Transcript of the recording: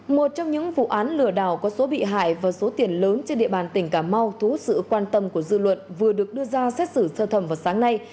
một trong những vụ án lửa đào có số bị hại và số tiền lớn trên địa bàn tỉnh cà mau thú sự quan tâm của dư luận vừa được đưa ra xét xử sơ thẩm vào sáng nay